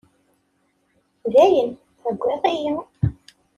Dayen, tewwiḍ-iyi.